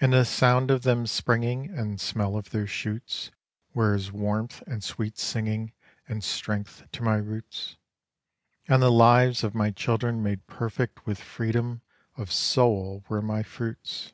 And the sound of them springing And smell of their shoots Were as warmth and sweet singing And strength to my roots; And the lives of my children made perfect with freedom of soul were my fruits.